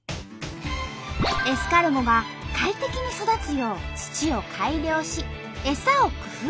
エスカルゴが快適に育つよう土を改良しエサを工夫。